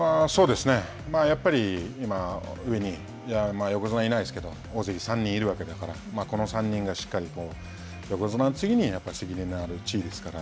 やっぱり、今、上に横綱がいないですけれども、大関３人いるわけだから、この３人がしっかり横綱の次に責任のある地位ですから。